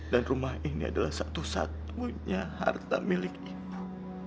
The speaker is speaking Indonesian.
dan rumah ini adalah satu satunya harta milik ibu